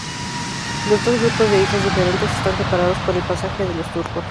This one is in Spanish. Los dos grupos de islas diferentes están separados por el Pasaje de los Turcos.